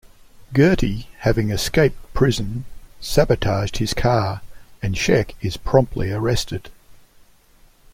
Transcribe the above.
Gertie, having escaped prison, sabotaged his car, and Scheck is promptly arrested.